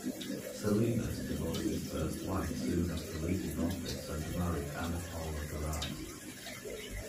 Salinas divorced his first wife soon after leaving office and married Ana Paula Gerard.